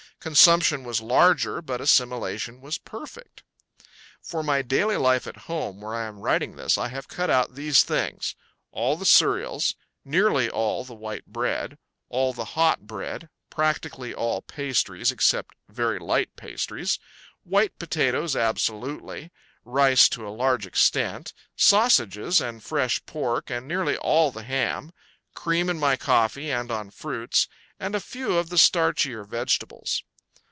Consumption was larger, but assimilation was perfect. For my daily life at home, where I am writing this, I have cut out these things: All the cereals; nearly all the white bread; all the hot bread; practically all pastries except very light pastries; white potatoes absolutely; rice to a large extent; sausages and fresh pork and nearly all the ham; cream in my coffee and on fruits; and a few of the starchier vegetables.